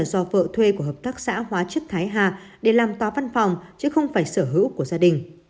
do vợ thuê của hợp tác xã hóa chất thái hà để làm tòa văn phòng chứ không phải sở hữu của gia đình